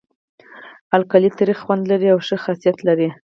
القلي تریخ خوند لري او ښوی خاصیت لري.